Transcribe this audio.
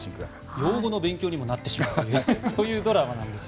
用語の勉強にもなってしまうという。